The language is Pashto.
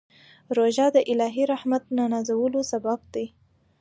روژه د الهي رحمت نازلولو سبب دی.